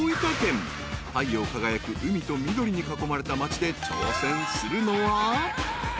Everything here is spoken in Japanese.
［太陽輝く海と緑に囲まれた町で挑戦するのは］